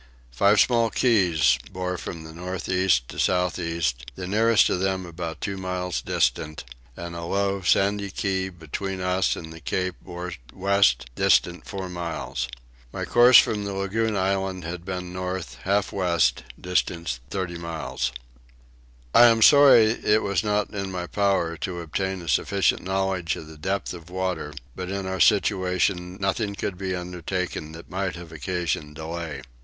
Five small keys bore from north east to south east, the nearest of them about two miles distant, and a low sandy key between us and the cape bore west distant four miles. My course from the lagoon island had been north half west distant 30 miles. I am sorry it was not in my power to obtain a sufficient knowledge of the depth of water but in our situation nothing could be undertaken that might have occasioned delay.